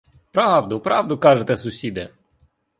Правду, правду кажете, сусіде!